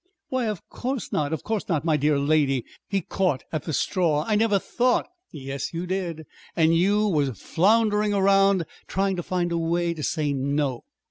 "Why, of course not, of course not, my dear lady!" He caught at the straw. "I never thought " "Yes, you did; and you was floundering around trying to find a way to say no.